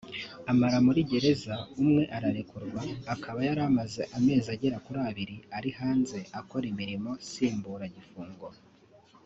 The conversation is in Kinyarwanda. amara muri gereza umwe ararekurwa akaba yari amaze amezi agera kuri abiri ari hanze akora imirimo nsimburagifungo